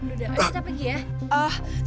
udah kita pergi ya